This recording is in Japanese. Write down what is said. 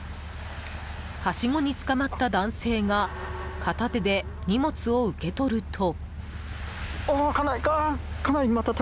はしごにつかまった男性が片手で荷物を受け取ると。